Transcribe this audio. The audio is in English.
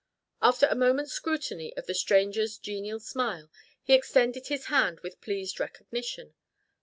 After a moment's scrutiny of the stranger's genial smile he extended his hand with pleased recognition.